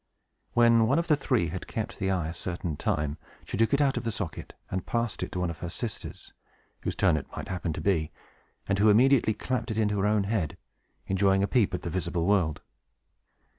When one of the three had kept the eye a certain time, she took it out of the socket and passed it to one of her sisters, whose turn it might happen to be, and who immediately clapped it into her own head, and enjoyed a peep at the visible world.